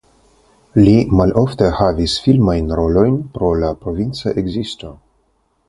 Li malofte havis filmajn rolojn pro la provinca ekzisto.